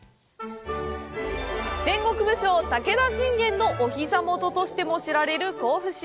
戦国武将・武田信玄のお膝元としても知られる甲府市。